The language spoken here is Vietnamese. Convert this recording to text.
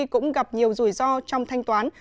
cũng gặp nhiều rủi ro trong thanh toán